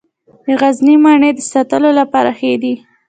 د غزني مڼې د ساتلو لپاره ښې دي.